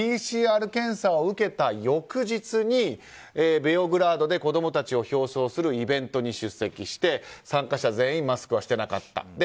ＰＣＲ検査を受けた翌日にベオグラードで子供たちを表彰するイベントに出席して参加者全員マスクはしてなかった。